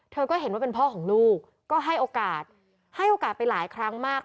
เธอก็เห็นว่าเป็นพ่อของลูกก็ให้โอกาสให้โอกาสไปหลายครั้งมาก